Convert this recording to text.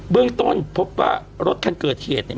เรื่องต้นพบว่ารถคันเกิดเหตุเนี่ย